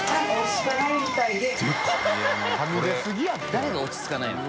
誰が落ち着かないの？